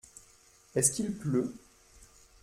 Est-ce qu’il pleut ?